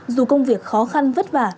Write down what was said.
dù công việc khó khăn vất vả